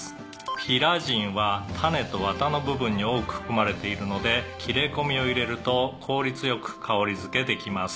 「ピラジンはタネとワタの部分に多く含まれているので切れ込みを入れると効率よく香り付けできます」